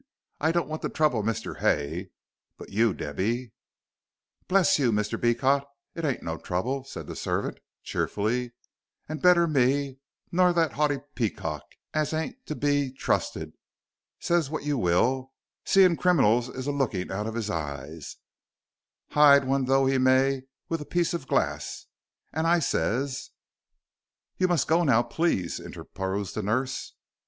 "I don't want to trouble Mr. Hay, but you, Debby " "Bless you, Mr. Beecot, it ain't no trouble," said the servant, cheerfully, "and better me nor that 'aughty peacock, as ain't to be trusted, say what you will, seeing criminals is a looking out of his eyes, hide one though he may with a piece of glarse, and I ses " "You must go now, please," interposed the nurse.